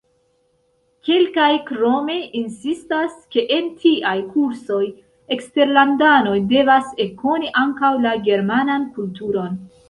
Kelkaj krome insistas, ke en tiaj kursoj eksterlandanoj devas ekkoni ankaŭ la germanan kulturon.